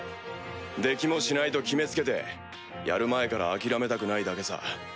できもしないと決め付けてやる前から諦めたくないだけさ。